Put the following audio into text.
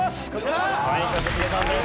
一茂さんです。